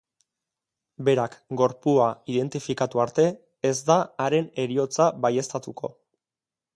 Berak gorpua identifikatu arte, ez da haren heriotza baieztatuko.